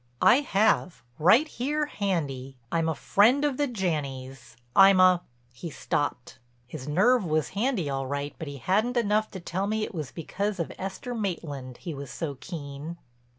"I have, right here handy. I'm a friend of the Janneys, I'm a—" he stopped. His nerve was handy all right but he hadn't enough to tell me it was because of Esther Maitland he was so keen.